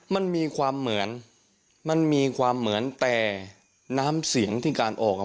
มันมีความเหมือนมันมีความเหมือนแต่น้ำเสียงที่การออกอ่ะ